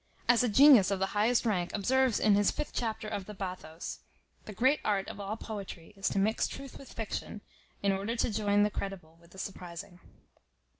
As a genius of the highest rank observes in his fifth chapter of the Bathos, "The great art of all poetry is to mix truth with fiction, in order to join the credible with the surprizing."